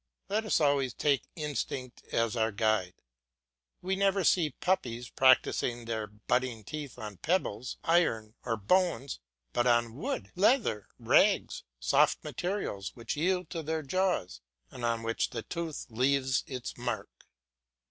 Let us always take instinct as our guide; we never see puppies practising their budding teeth on pebbles, iron, or bones, but on wood, leather, rags, soft materials which yield to their jaws, and on which the tooth leaves its mark.